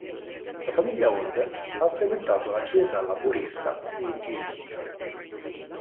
La famiglia Holden ha frequentato la Chiesa Laburista di Birmingham.